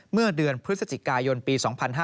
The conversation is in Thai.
เมื่อเดือนพฤศจิกายนปี๒๕๕๙